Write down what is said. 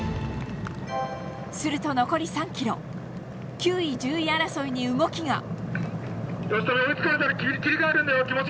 すると、残り３ｋｍ９位、１０位争いに動きが。